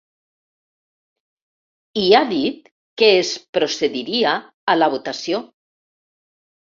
I ha dit que es procediria a la votació.